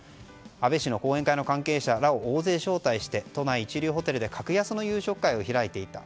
安倍氏の後援会の関係者らを大勢招待して、都内一流ホテルで格安の夕食会を開いていた。